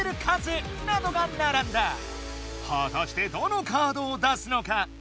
はたしてどのカードを出すのか？